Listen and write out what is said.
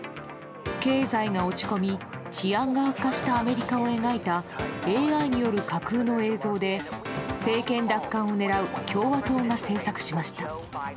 経済が落ち込み治安が悪化したアメリカを描いたＡＩによる架空の映像で政権奪還を狙う共和党が制作しました。